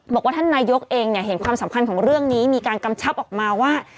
บอกว่าท่านนายกเองเห็นความสำคัญของเรื่องนี้มีการกำชับออกมาว่า